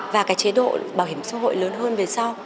và cái chế độ bảo hiểm xã hội lớn hơn về sau